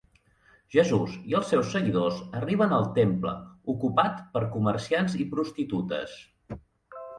Jesús i els seus seguidors arriben al temple, ocupat per comerciants i prostitutes.